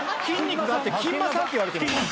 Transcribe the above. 筋肉があってきんまさんっていわれてる。